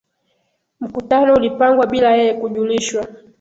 Mkutano ulipangwa bila yeye kujulishwa